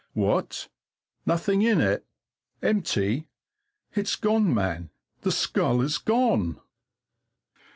What? Nothing in it? Empty? It's gone, man, the skull is gone!